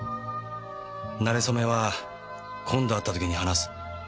「馴れ初めは今度会った時に話す」